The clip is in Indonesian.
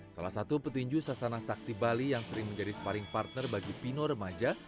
salah satu petinju sasana sakti bali yang sering menjadi sparring partner bagi pino remaja